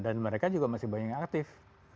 dan mereka juga masih banyak yang aktif